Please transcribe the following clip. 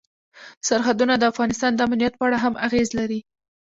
سرحدونه د افغانستان د امنیت په اړه هم اغېز لري.